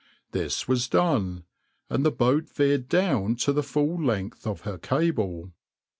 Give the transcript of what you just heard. This was done, and the boat veered down to the full length of her cable.